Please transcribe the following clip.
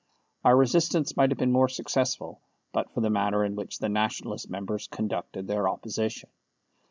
Our resistance might have been more successful but for the manner in which the Nationalist members conducted their opposition.